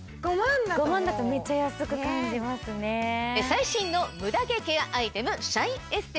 最新のムダ毛ケアアイテム。